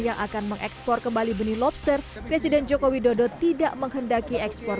yang akan mengekspor kembali benih lobster presiden joko widodo tidak menghendaki ekspor